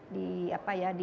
di apa ya di